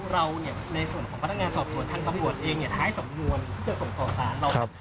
เราจะการประกันตัวไหมครับ